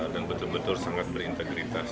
dan betul betul sangat berintegritas